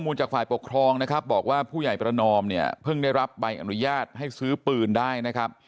จากฝ่ายปกครองนะครับบอกว่าผู้ใหญ่ประนอมเนี่ยเพิ่งได้รับใบอนุญาตให้ซื้อปืนได้นะครับ